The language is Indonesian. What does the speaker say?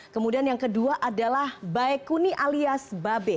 kemudian yang kedua adalah baekuni alias babe